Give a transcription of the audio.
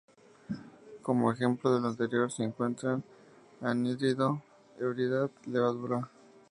Como ejemplo de lo anterior se encuentran: 酐, ‘anhídrido’; 酔, ‘ebriedad’; 酵, ‘levadura’.